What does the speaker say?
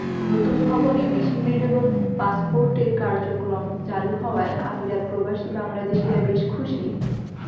নতুন ভবনে machine readable পাসপোর্টের কার্যক্রম চালু হওয়ায় আমিরাতপ্রবাসী বাংলাদেশিরা বেশ খুশি।